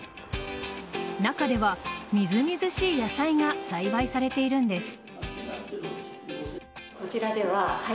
中では、みずみずしい野菜が栽培されているんです。